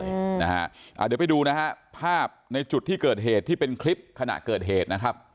เดี๋ยวไปดูนะฮะภาพในจุดที่เกิดเหตุที่เป็นคลิปขณะเกิดเหตุนะครับ